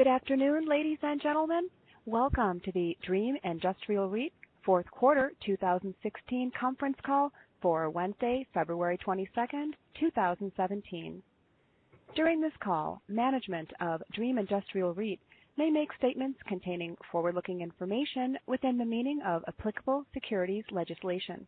Good afternoon, ladies and gentlemen. Welcome to the Dream Industrial REIT fourth quarter 2016 conference call for Wednesday, February 22nd, 2017. During this call, management of Dream Industrial REIT may make statements containing forward-looking information within the meaning of applicable securities legislation.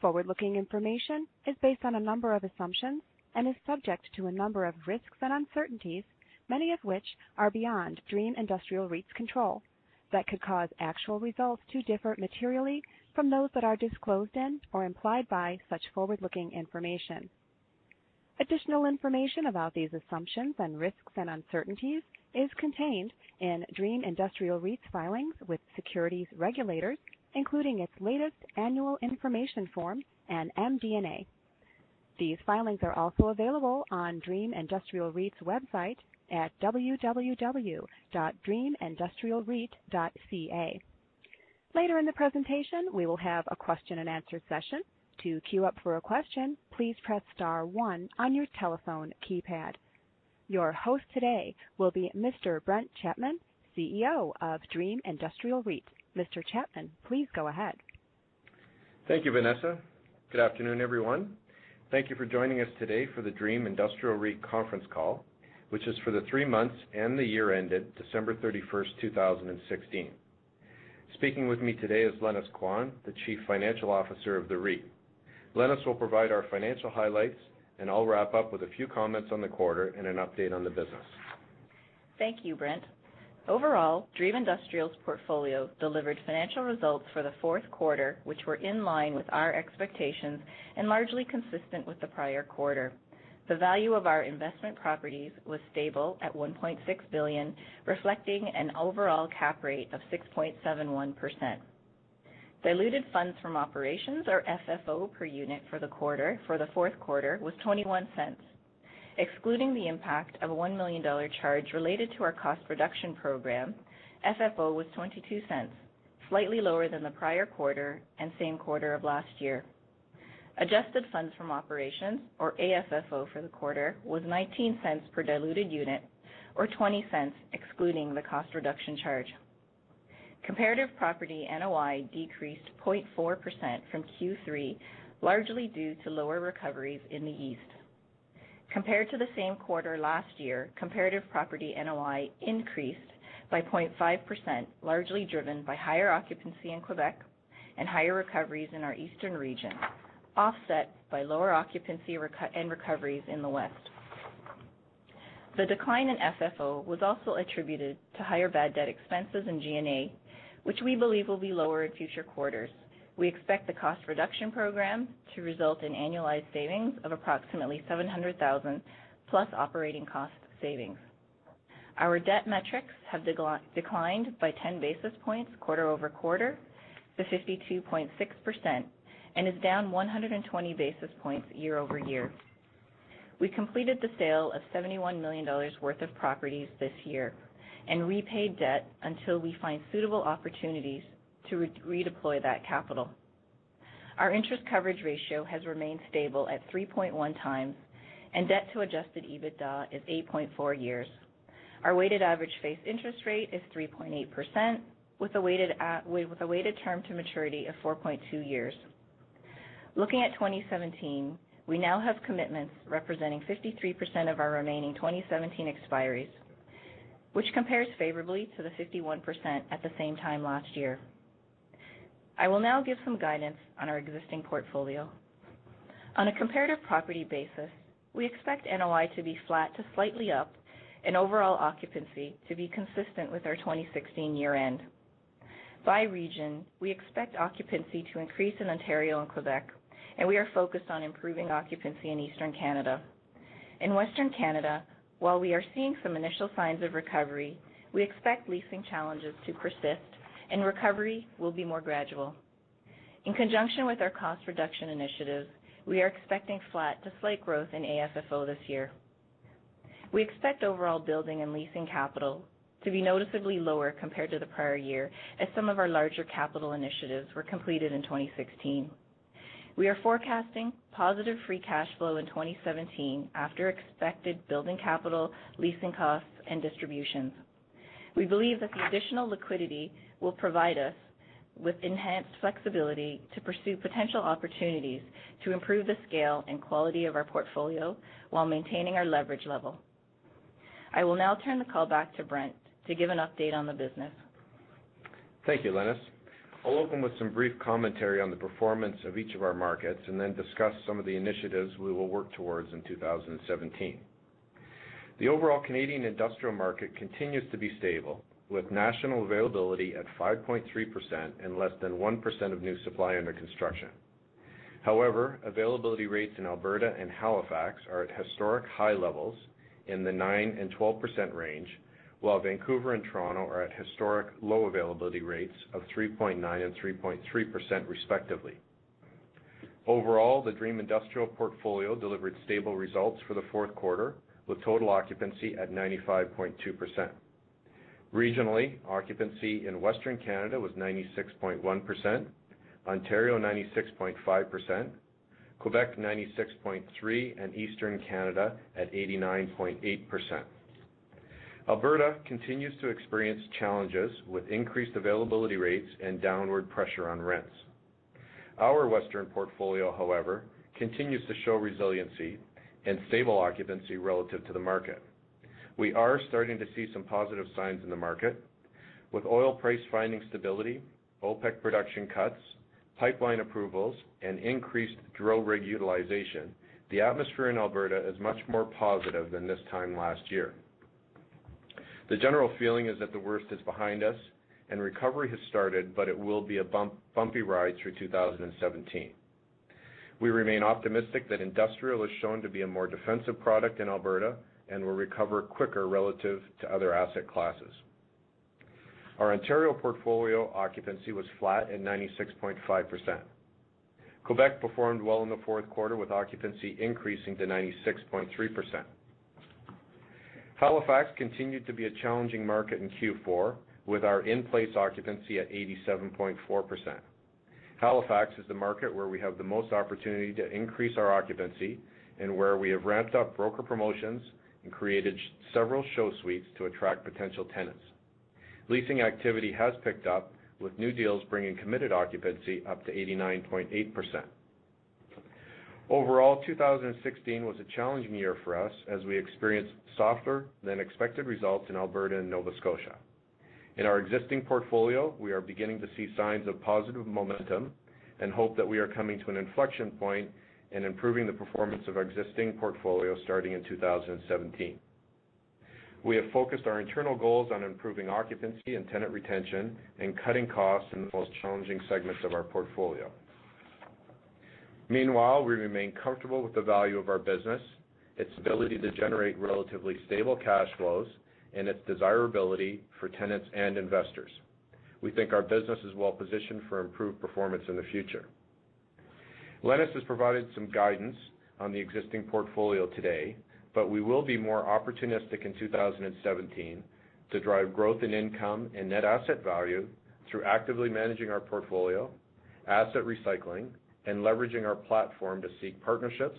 Forward-looking information is based on a number of assumptions and is subject to a number of risks and uncertainties, many of which are beyond Dream Industrial REIT's control, that could cause actual results to differ materially from those that are disclosed in or implied by such forward-looking information. Additional information about these assumptions and risks and uncertainties is contained in Dream Industrial REIT's filings with securities regulators, including its latest annual information form and MD&A. These filings are also available on Dream Industrial REIT's website at www.dreamindustrialreit.ca. Later in the presentation, we will have a question and answer session. To queue up for a question, please press star one on your telephone keypad. Your host today will be Mr. Brent Chapman, Chief Executive Officer of Dream Industrial REIT. Mr. Chapman, please go ahead. Thank you, Vanessa. Good afternoon, everyone. Thank you for joining us today for the Dream Industrial REIT conference call, which is for the three months and the year ended December 31st, 2016. Speaking with me today is Lenis Quan, the Chief Financial Officer of the REIT. Lenis will provide our financial highlights, and I'll wrap up with a few comments on the quarter and an update on the business. Thank you, Brent. Overall, Dream Industrial's portfolio delivered financial results for the fourth quarter, which were in line with our expectations and largely consistent with the prior quarter. The value of our investment properties was stable at 1.6 billion, reflecting an overall cap rate of 6.71%. Diluted funds from operations, or FFO per unit for the fourth quarter was 0.21. Excluding the impact of a 1 million dollar charge related to our cost reduction program, FFO was 0.22, slightly lower than the prior quarter and same quarter of last year. Adjusted funds from operations, or AFFO for the quarter, was 0.19 per diluted unit, or 0.20 excluding the cost reduction charge. Comparative property NOI decreased 0.4% from Q3, largely due to lower recoveries in the East. Compared to the same quarter last year, comparative property NOI increased by 0.5%, largely driven by higher occupancy in Quebec and higher recoveries in our Eastern region, offset by lower occupancy and recoveries in the West. The decline in FFO was also attributed to higher bad debt expenses in G&A, which we believe will be lower in future quarters. We expect the cost reduction program to result in annualized savings of approximately 700,000 plus operating cost savings. Our debt metrics have declined by 10 basis points quarter-over-quarter to 52.6% and is down 120 basis points year-over-year. We completed the sale of 71 million dollars worth of properties this year and repaid debt until we find suitable opportunities to redeploy that capital. Our interest coverage ratio has remained stable at 3.1 times, and debt to adjusted EBITDA is 8.4 years. Our weighted average face interest rate is 3.8%, with a weighted term to maturity of 4.2 years. Looking at 2017, we now have commitments representing 53% of our remaining 2017 expiries, which compares favorably to the 51% at the same time last year. I will now give some guidance on our existing portfolio. On a comparative property basis, we expect NOI to be flat to slightly up and overall occupancy to be consistent with our 2016 year-end. By region, we expect occupancy to increase in Ontario and Quebec, and we are focused on improving occupancy in Eastern Canada. In Western Canada, while we are seeing some initial signs of recovery, we expect leasing challenges to persist and recovery will be more gradual. In conjunction with our cost reduction initiatives, we are expecting flat to slight growth in AFFO this year. We expect overall building and leasing capital to be noticeably lower compared to the prior year as some of our larger capital initiatives were completed in 2016. We are forecasting positive free cash flow in 2017 after expected building capital, leasing costs, and distributions. We believe that the additional liquidity will provide us with enhanced flexibility to pursue potential opportunities to improve the scale and quality of our portfolio while maintaining our leverage level. I will now turn the call back to Brent to give an update on the business. Thank you, Lenis. I'll open with some brief commentary on the performance of each of our markets and then discuss some of the initiatives we will work towards in 2017. The overall Canadian industrial market continues to be stable, with national availability at 5.3% and less than 1% of new supply under construction. However, availability rates in Alberta and Halifax are at historic high levels in the nine and 12% range, while Vancouver and Toronto are at historic low availability rates of 3.9% and 3.3%, respectively. Overall, the Dream Industrial portfolio delivered stable results for the fourth quarter, with total occupancy at 95.2%. Regionally, occupancy in Western Canada was 96.1%, Ontario 96.5%, Quebec 96.3%, and Eastern Canada at 89.8%. Alberta continues to experience challenges with increased availability rates and downward pressure on rents. Our Western portfolio, however, continues to show resiliency and stable occupancy relative to the market. We are starting to see some positive signs in the market. With oil price finding stability, OPEC production cuts, pipeline approvals, and increased drill rig utilization, the atmosphere in Alberta is much more positive than this time last year. The general feeling is that the worst is behind us and recovery has started, but it will be a bumpy ride through 2017. We remain optimistic that industrial has shown to be a more defensive product in Alberta and will recover quicker relative to other asset classes. Our Ontario portfolio occupancy was flat at 96.5%. Quebec performed well in the fourth quarter, with occupancy increasing to 96.3%. Halifax continued to be a challenging market in Q4, with our in-place occupancy at 87.4%. Halifax is the market where we have the most opportunity to increase our occupancy and where we have ramped up broker promotions and created several show suites to attract potential tenants. Leasing activity has picked up, with new deals bringing committed occupancy up to 89.8%. Overall, 2016 was a challenging year for us as we experienced softer-than-expected results in Alberta and Nova Scotia. In our existing portfolio, we are beginning to see signs of positive momentum and hope that we are coming to an inflection point in improving the performance of our existing portfolio starting in 2017. We have focused our internal goals on improving occupancy and tenant retention and cutting costs in the most challenging segments of our portfolio. Meanwhile, we remain comfortable with the value of our business, its ability to generate relatively stable cash flows, and its desirability for tenants and investors. We think our business is well-positioned for improved performance in the future. Lenis has provided some guidance on the existing portfolio today, but we will be more opportunistic in 2017 to drive growth in income and net asset value through actively managing our portfolio, asset recycling, and leveraging our platform to seek partnerships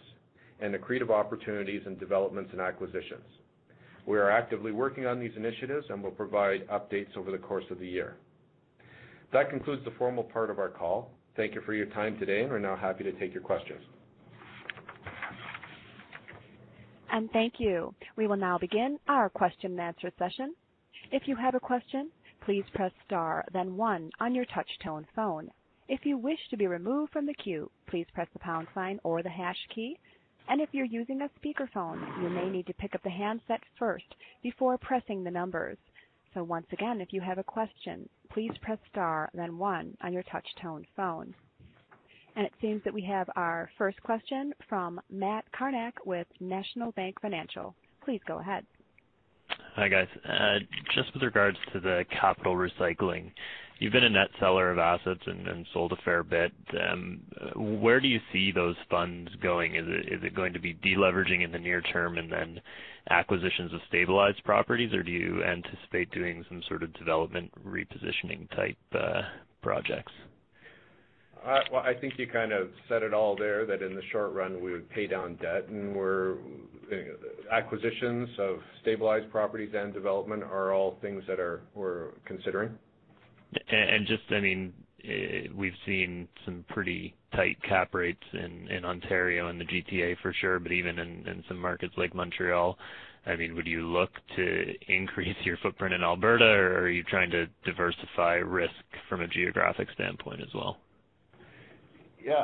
and accretive opportunities in developments and acquisitions. We are actively working on these initiatives and will provide updates over the course of the year. That concludes the formal part of our call. Thank you for your time today. We're now happy to take your questions. Thank you. We will now begin our question-and-answer session. If you have a question, please press star then one on your touch-tone phone. If you wish to be removed from the queue, please press the pound sign or the hash key. If you're using a speakerphone, you may need to pick up the handset first before pressing the numbers. Once again, if you have a question, please press star then one on your touch-tone phone. It seems that we have our first question from Matt Kornack with National Bank Financial. Please go ahead. Hi, guys. With regards to the capital recycling, you've been a net seller of assets and sold a fair bit. Where do you see those funds going? Is it going to be de-leveraging in the near term and then acquisitions of stabilized properties, or do you anticipate doing some sort of development repositioning-type projects? Well, I think you kind of said it all there, that in the short run, we would pay down debt. Acquisitions of stabilized properties and development are all things that we're considering. We've seen some pretty tight cap rates in Ontario and the GTA for sure, even in some markets like Montreal. Would you look to increase your footprint in Alberta, or are you trying to diversify risk from a geographic standpoint as well?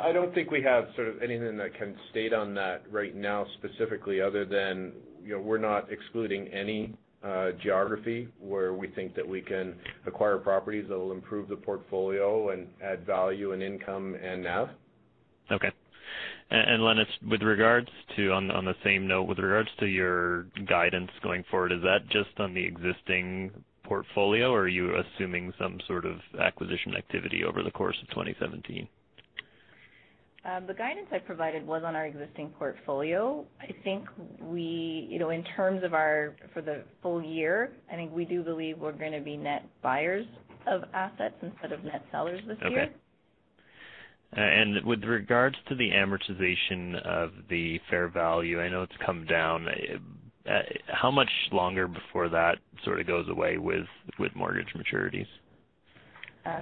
I don't think we have anything that I can state on that right now specifically, other than we're not excluding any geography where we think that we can acquire properties that'll improve the portfolio and add value and income and NAV. Okay. Lenis, on the same note, with regards to your guidance going forward, is that just on the existing portfolio, or are you assuming some sort of acquisition activity over the course of 2017? The guidance I provided was on our existing portfolio. For the full year, I think we do believe we're going to be net buyers of assets instead of net sellers this year. Okay. With regards to the amortization of the fair value, I know it's come down. How much longer before that sort of goes away with mortgage maturities?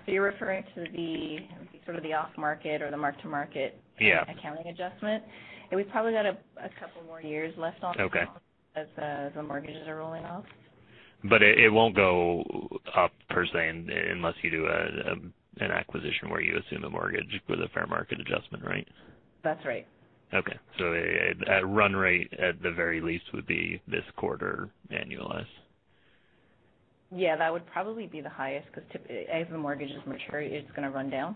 You're referring to the off-market or the mark-to-market. Yeah accounting adjustment? We've probably got a couple more years left on that. Okay as the mortgages are rolling off. It won't go up per se, unless you do an acquisition where you assume a mortgage with a fair market adjustment, right? That's right. Okay. At run rate, at the very least, would be this quarter annualized. Yeah, that would probably be the highest because as the mortgages mature, it's going to run down.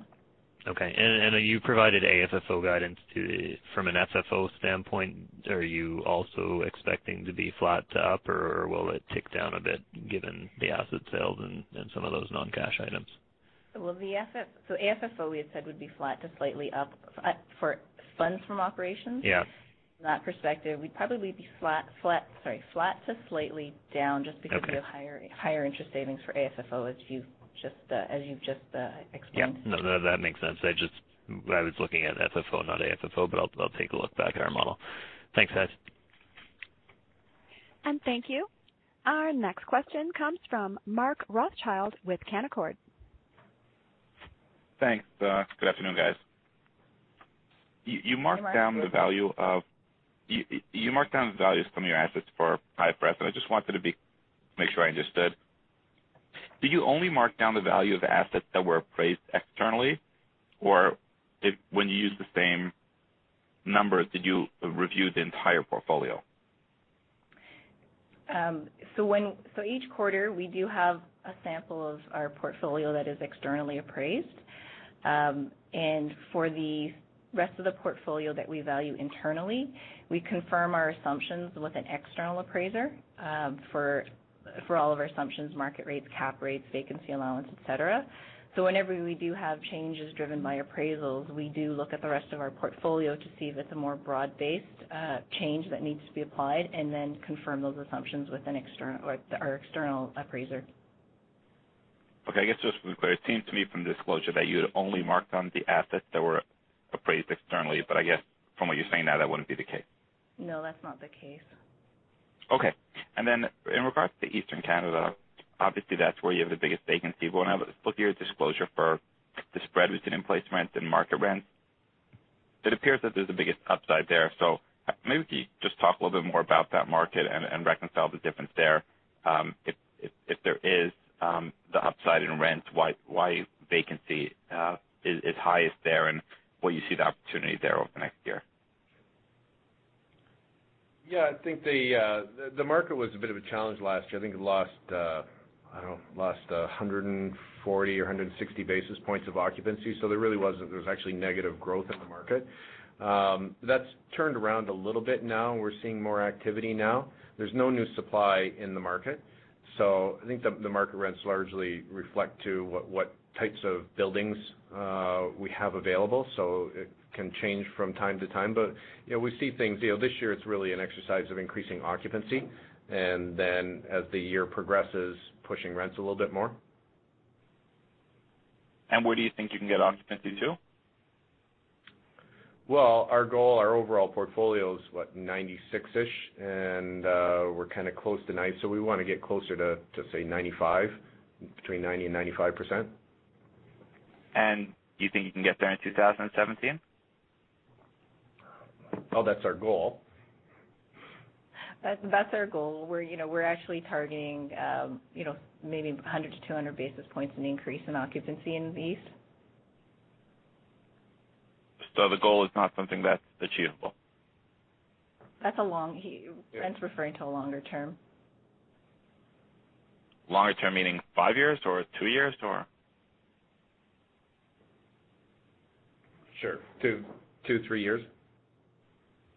Okay. I know you provided AFFO guidance too. From an FFO standpoint, are you also expecting to be flat to up, or will it tick down a bit given the asset sales and some of those non-cash items? AFFO, we had said, would be flat to slightly up for funds from operations. Yeah. From that perspective, we'd probably be flat to slightly down. Okay just because of higher interest savings for AFFO as you've just explained. Yeah. No, that makes sense. I was looking at FFO, not AFFO, but I'll take a look back at our model. Thanks, guys. Thank you. Our next question comes from Mark Rothschild with Canaccord. Thanks. Good afternoon, guys. You marked down the values from your assets for IFRS. I just wanted to make sure I understood. Do you only mark down the value of assets that were appraised externally, or when you use the same numbers, did you review the entire portfolio? Each quarter, we do have a sample of our portfolio that is externally appraised. For the rest of the portfolio that we value internally, we confirm our assumptions with an external appraiser for all of our assumptions, market rates, cap rates, vacancy allowance, et cetera. Whenever we do have changes driven by appraisals, we do look at the rest of our portfolio to see if it's a more broad-based change that needs to be applied, and then confirm those assumptions with our external appraiser. Okay. I guess just to be clear, it seems to me from disclosure that you had only marked on the assets that were appraised externally. I guess from what you're saying now, that wouldn't be the case. No, that's not the case. Okay. In regards to Eastern Canada, obviously, that's where you have the biggest vacancy. When I look at your disclosure for the spread between in-place rents and market rents, it appears that there's the biggest upside there. Maybe if you just talk a little bit more about that market and reconcile the difference there. If there is the upside in rents, why vacancy is highest there, and what you see the opportunity there over the next year. Yeah, I think the market was a bit of a challenge last year. I think it lost, I don't know, 140 or 160 basis points of occupancy. There really wasn't. There was actually negative growth in the market. That's turned around a little bit now, we're seeing more activity now. There's no new supply in the market. I think the market rents largely reflect to what types of buildings we have available. It can change from time to time. We see things. This year, it's really an exercise of increasing occupancy, then as the year progresses, pushing rents a little bit more. Where do you think you can get occupancy to? Well, our goal, our overall portfolio is what? 96-ish, we're kind of close to 90. We want to get closer to, say, 95, between 90% and 95%. Do you think you can get there in 2017? Well, that's our goal. That's our goal. We're actually targeting maybe 100 to 200 basis points in the increase in occupancy in the East. The goal is not something that's achievable. That's a long Brent's referring to longer-term. Longer-term meaning five years or two years, or? Sure. Two, three years.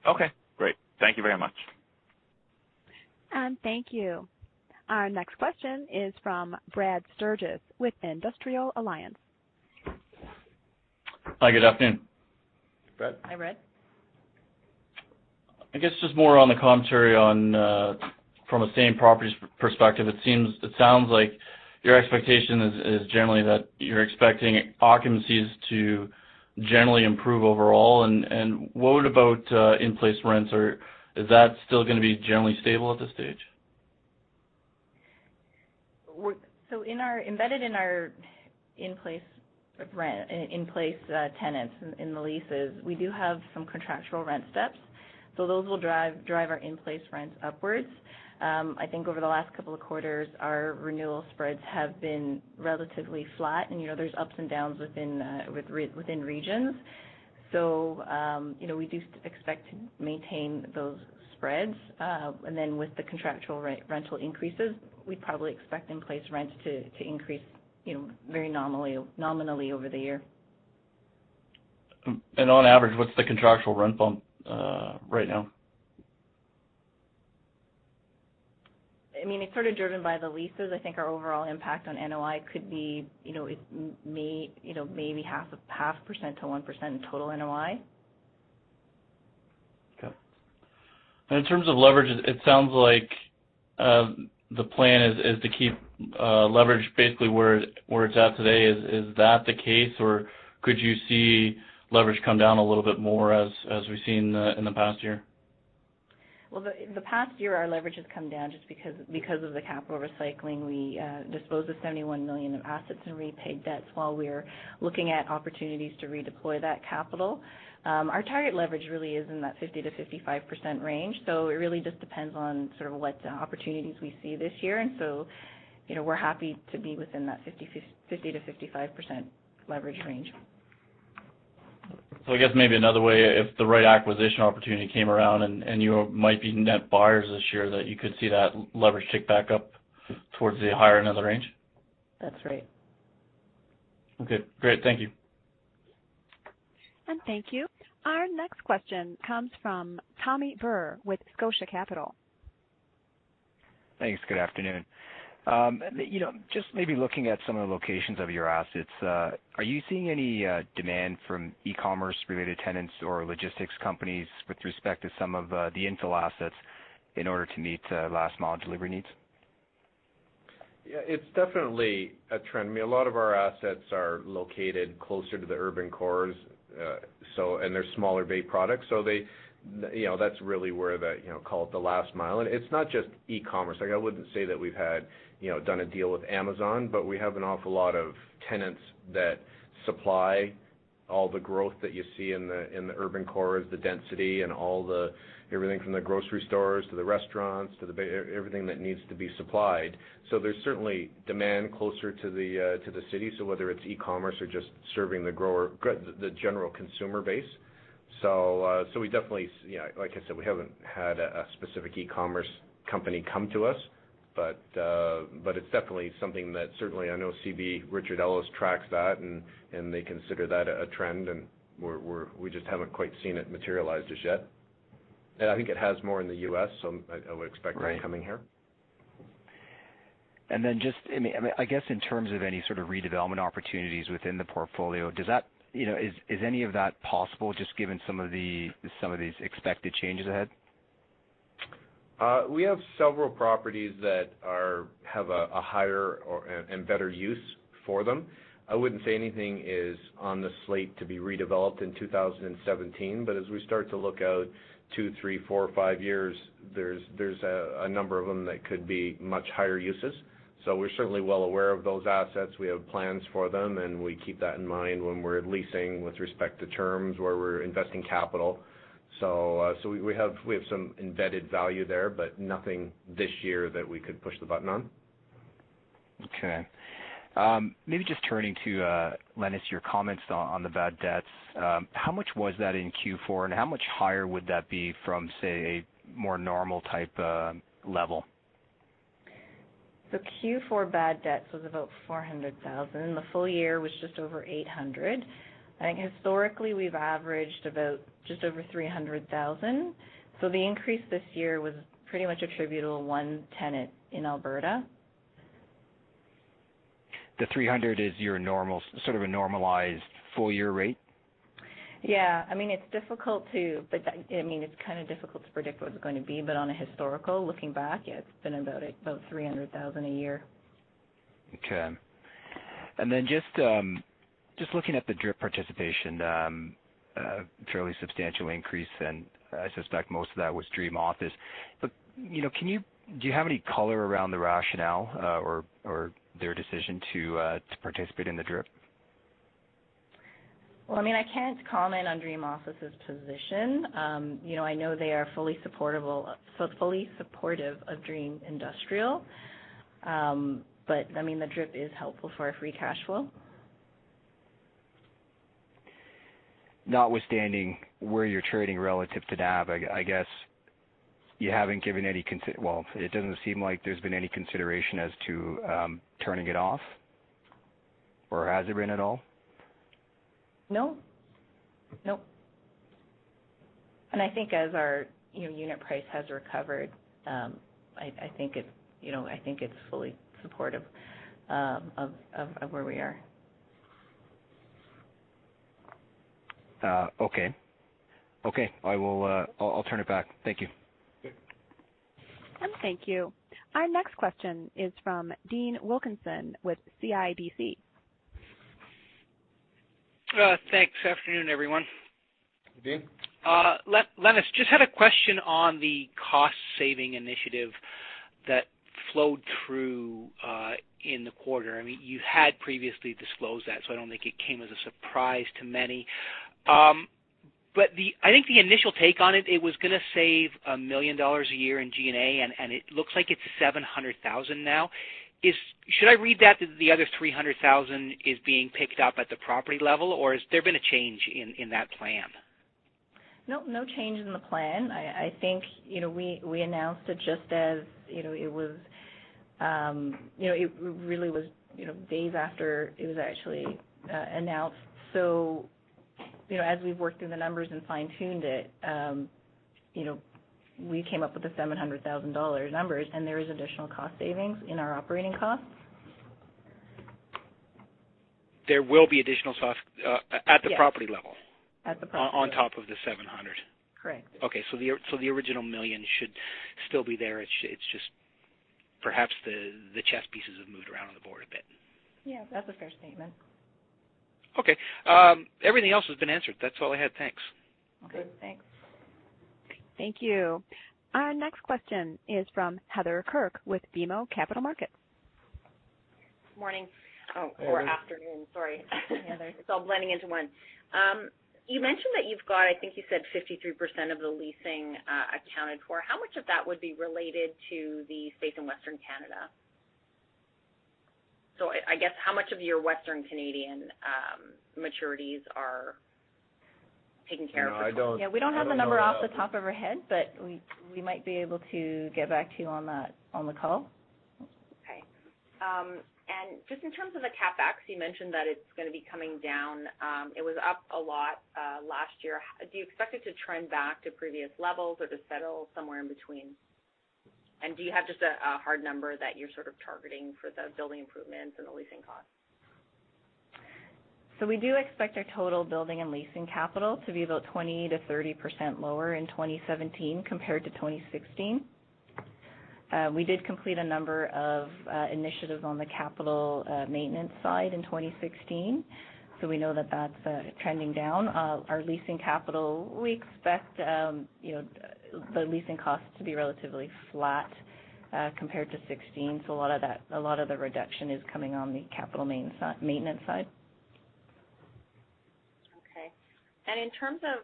Okay, great. Thank you very much. Thank you. Our next question is from Brad Sturges with Industrial Alliance. Hi, good afternoon. Brad. Hi, Brad. I guess just more on the commentary on from a same properties perspective, it sounds like your expectation is generally that you're expecting occupancies to generally improve overall. What about in-place rents, or is that still going to be generally stable at this stage? Embedded in our in-place tenants in the leases, we do have some contractual rent steps. Those will drive our in-place rents upwards. I think over the last couple of quarters, our renewal spreads have been relatively flat, and there's ups and downs within regions. We do expect to maintain those spreads. Then with the contractual rental increases, we probably expect in-place rents to increase very nominally over the year. On average, what's the contractual rent bump right now? It's sort of driven by the leases. I think our overall impact on NOI could be maybe 0.5% to 1% in total NOI. Okay. In terms of leverage, it sounds like the plan is to keep leverage basically where it's at today. Is that the case, or could you see leverage come down a little bit more as we've seen in the past year? In the past year, our leverage has come down just because of the capital recycling. We disposed of 71 million in assets and repaid debts while we're looking at opportunities to redeploy that capital. Our target leverage really is in that 50%-55% range. It really just depends on sort of what opportunities we see this year, we're happy to be within that 50%-55% leverage range. I guess maybe another way, if the right acquisition opportunity came around, you might be net buyers this year, that you could see that leverage tick back up towards the higher end of the range? That's right. Great. Thank you. Thank you. Our next question comes from Pammi Bir with Scotia Capital. Thanks. Good afternoon. Just maybe looking at some of the locations of your assets, are you seeing any demand from e-commerce-related tenants or logistics companies with respect to some of the industrial assets in order to meet last-mile delivery needs? Yeah, it's definitely a trend. A lot of our assets are located closer to the urban cores, and they're smaller bay products. That's really where the, call it the last-mile. It's not just e-commerce. I wouldn't say that we've done a deal with Amazon, but we have an awful lot of tenants that supply all the growth that you see in the urban cores, the density and everything from the grocery stores to the restaurants to the everything that needs to be supplied. There's certainly demand closer to the cities, so whether it's e-commerce or just serving the general consumer base. Like I said, we haven't had a specific e-commerce company come to us, but it's definitely something that certainly I know CBRE tracks that, and they consider that a trend, and we just haven't quite seen it materialize just yet. I think it has more in the U.S., so I would expect that coming here. Right. Then just, I guess, in terms of any sort of redevelopment opportunities within the portfolio, is any of that possible just given some of these expected changes ahead? We have several properties that have a higher and better use for them. I wouldn't say anything is on the slate to be redeveloped in 2017. As we start to look out two, three, four, five years, there's a number of them that could be much higher uses. We're certainly well aware of those assets. We have plans for them, and we keep that in mind when we're leasing with respect to terms where we're investing capital. We have some embedded value there, but nothing this year that we could push the button on. Okay. Maybe just turning to Lenis, your comments on the bad debts. How much was that in Q4, and how much higher would that be from, say, a more normal type level? Q4 bad debts was about 400,000. The full year was just over 800,000. I think historically, we've averaged about just over 300,000. The increase this year was pretty much attributable to one tenant in Alberta. The 300 is sort of a normalized full-year rate? Yeah. It's kind of difficult to predict what it's going to be, but on a historical looking back, it's been about 300,000 a year. Okay. Just looking at the DRIP participation, a fairly substantial increase, and I suspect most of that was Dream Office. Do you have any color around the rationale, or their decision to participate in the DRIP? Well, I can't comment on Dream Office's position. I know they are fully supportive of Dream Industrial. The DRIP is helpful for our free cash flow. Notwithstanding where you're trading relative to NAV, I guess, it doesn't seem like there's been any consideration as to turning it off, or has there been at all? No. I think as our unit price has recovered, I think it's fully supportive of where we are. Okay. I'll turn it back. Thank you. Okay. Thank you. Our next question is from Dean Wilkinson with CIBC. Thanks. Afternoon, everyone. Dean. Lenis, just had a question on the cost-saving initiative that flowed through in the quarter. You had previously disclosed that, so I don't think it came as a surprise to many. I think the initial take on it was going to save 1 million dollars a year in G&A, and it looks like it's 700,000 now. Should I read that the other 300,000 is being picked up at the property level, or has there been a change in that plan? No change in the plan. I think we announced it just as it really was days after it was actually announced. As we've worked through the numbers and fine-tuned it, we came up with the 700,000 dollars numbers, and there is additional cost savings in our operating costs. There will be additional savings at the property level. Yes. At the property level on top of the 700? Correct. Okay. The original 1 million should still be there. It's just perhaps the chess pieces have moved around on the board a bit. Yeah, that's a fair statement. Okay. Everything else has been answered. That's all I had. Thanks. Okay. Okay, thanks. Thank you. Our next question is from Heather Kirk with BMO Capital Markets. Morning. Oh, or afternoon, sorry. Yeah. It's all blending into one. You mentioned that you've got, I think you said 53% of the leasing accounted for. How much of that would be related to the stake in Western Canada? I guess how much of your Western Canadian maturities are taken care of by? No, I don't know. Yeah, we don't have the number off the top of our head, but we might be able to get back to you on the call. Just in terms of the CapEx, you mentioned that it's going to be coming down. It was up a lot last year. Do you expect it to trend back to previous levels or to settle somewhere in between? Do you have just a hard number that you're targeting for the building improvements and the leasing costs? We do expect our total building and leasing capital to be about 20%-30% lower in 2017 compared to 2016. We did complete a number of initiatives on the capital maintenance side in 2016, we know that's trending down. Our leasing capital, we expect the leasing costs to be relatively flat compared to 2016. A lot of the reduction is coming on the capital maintenance side. Okay. In terms of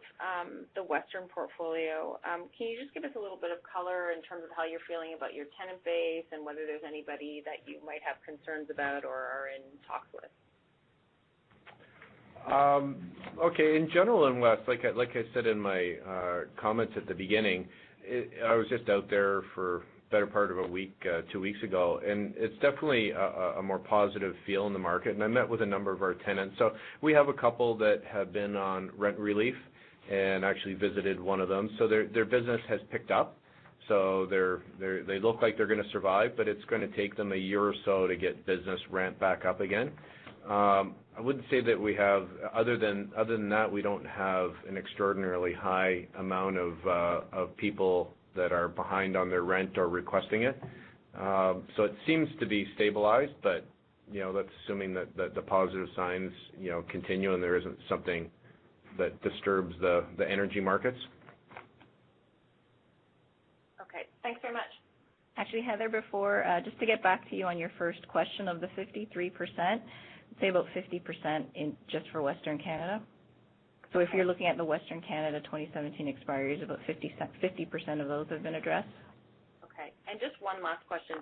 the Western portfolio, can you just give us a little bit of color in terms of how you're feeling about your tenant base and whether there's anybody that you might have concerns about or are in talks with? Okay. In general, in West, like I said in my comments at the beginning, I was just out there for the better part of a week two weeks ago, it's definitely a more positive feel in the market. I met with a number of our tenants. We have a couple that have been on rent relief and actually visited one of them. Their business has picked up. They look like they're going to survive, but it's going to take them one year or so to get business rent back up again. I wouldn't say that other than that, we don't have an extraordinarily high amount of people that are behind on their rent or requesting it. It seems to be stabilized, but that's assuming that the positive signs continue and there isn't something that disturbs the energy markets. Okay. Thanks very much. Actually, Heather, before, just to get back to you on your first question of the 53%, I'd say about 50% just for Western Canada. Okay. If you're looking at the Western Canada 2017 expiries, about 50% of those have been addressed. Okay. Just one last question.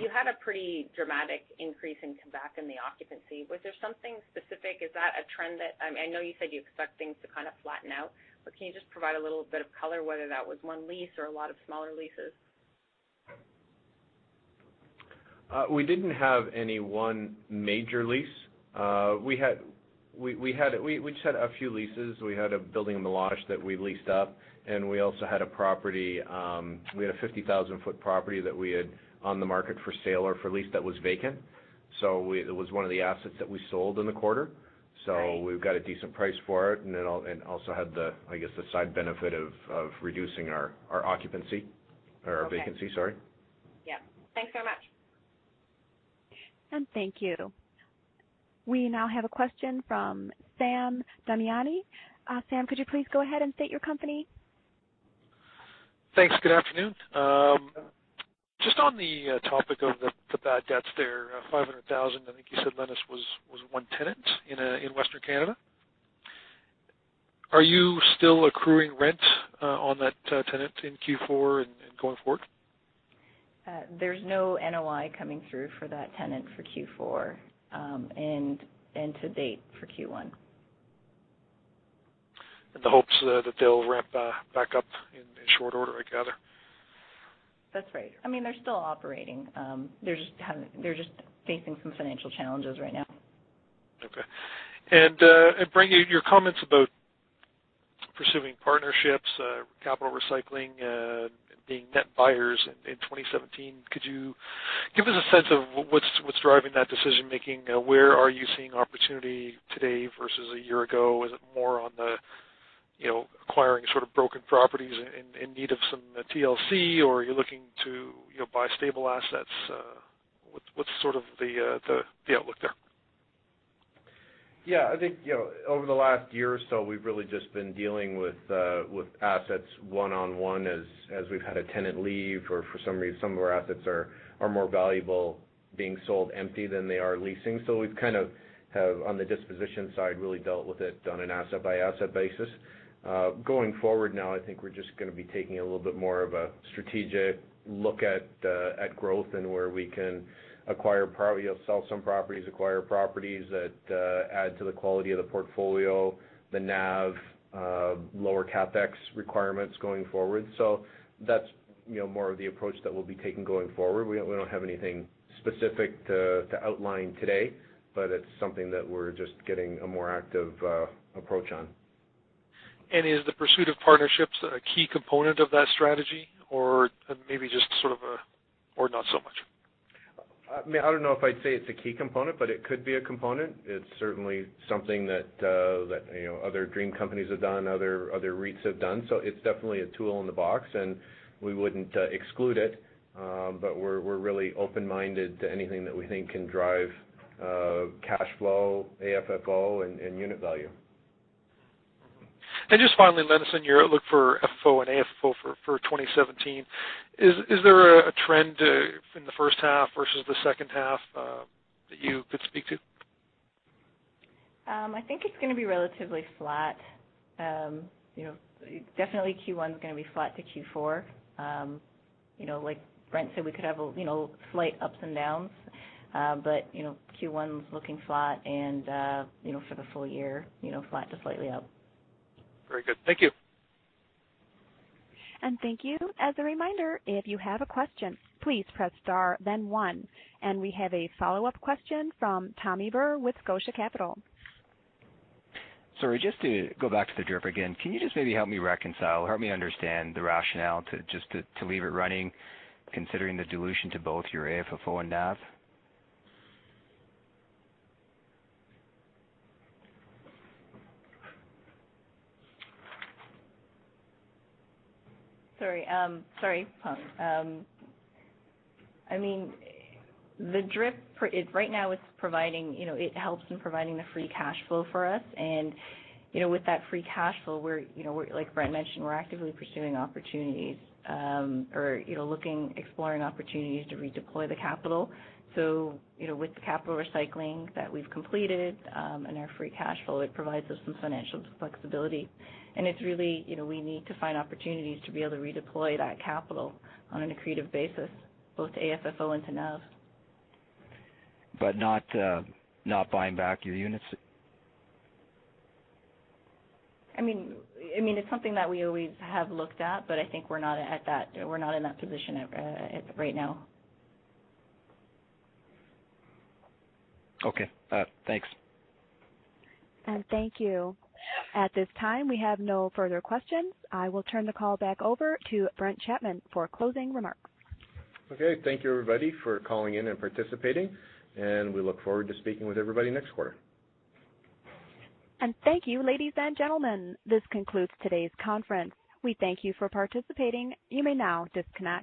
You had a pretty dramatic increase in Quebec in the occupancy. Was there something specific? I know you said you expect things to kind of flatten out, but can you just provide a little bit of color whether that was one lease or a lot of smaller leases? We didn't have any one major lease. We just had a few leases. We had a building in Milos that we leased up, and we also had a 50,000-foot property that we had on the market for sale or for lease that was vacant. It was one of the assets that we sold in the quarter. Right. We've got a decent price for it, and it also had, I guess, the side benefit of reducing our vacancy. Okay. Yep. Thanks so much. Thank you. We now have a question from Sam Damiani. Sam, could you please go ahead and state your company? Thanks. Good afternoon. Just on the topic of the bad debts there, 500,000, I think you said, Lenis, was one tenant in Western Canada. Are you still accruing rent on that tenant in Q4 and going forward? There's no NOI coming through for that tenant for Q4, to date for Q1. In the hopes that they'll ramp back up in short order, I gather. That's right. They're still operating. They're just facing some financial challenges right now. Okay. Brent, your comments about pursuing partnerships, capital recycling, being net buyers in 2017, could you give us a sense of what's driving that decision-making? Where are you seeing opportunity today versus a year ago? Is it more on the acquiring sort of broken properties in need of some TLC, or are you looking to buy stable assets? What's sort of the outlook there? I think over the last year or so, we've really just been dealing with assets one on one as we've had a tenant leave, or for some reason, some of our assets are more valuable being sold empty than they are leasing. We've kind of have, on the disposition side, really dealt with it on an asset-by-asset basis. Going forward now, I think we're just going to be taking a little bit more of a strategic look at growth and where we can sell some properties, acquire properties that add to the quality of the portfolio, the NAV, lower CapEx requirements going forward. That's more of the approach that we'll be taking going forward. We don't have anything specific to outline today, but it's something that we're just getting a more active approach on. Is the pursuit of partnerships a key component of that strategy, or not so much? I don't know if I'd say it's a key component, it could be a component. It's certainly something that other dream companies have done, other REITs have done. It's definitely a tool in the box, and we wouldn't exclude it. We're really open-minded to anything that we think can drive cash flow, AFFO, and unit value. Just finally, Lenis, in your outlook for FFO and AFFO for 2017, is there a trend in the first half versus the second half that you could speak to? I think it's going to be relatively flat. Definitely Q1 is going to be flat to Q4. Like Brent said, we could have slight ups and downs. Q1's looking flat and, for the full year, flat to slightly up. Very good. Thank you. Thank you. As a reminder, if you have a question, please press star then one. We have a follow-up question from Tommy Burr with Scotia Capital. Sorry, just to go back to the DRIP again. Can you just maybe help me reconcile, help me understand the rationale to just to leave it running, considering the dilution to both your AFFO and NAV? Sorry. I mean, the DRIP right now, it helps in providing the free cash flow for us. With that free cash flow, like Brent mentioned, we're actively pursuing opportunities or exploring opportunities to redeploy the capital. With the capital recycling that we've completed and our free cash flow, it provides us some financial flexibility. It's really we need to find opportunities to be able to redeploy that capital on an accretive basis, both to AFFO and to NAV. Not buying back your units? It's something that we always have looked at, but I think we're not in that position right now. Okay. Thanks. Thank you. At this time, we have no further questions. I will turn the call back over to Brent Chapman for closing remarks. Okay. Thank you, everybody, for calling in and participating. We look forward to speaking with everybody next quarter. Thank you, ladies and gentlemen. This concludes today's conference. We thank you for participating. You may now disconnect.